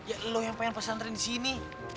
ya lo yang pengen pesantren di sini